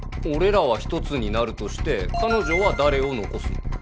俺らは１つになるとして彼女は誰を残すの？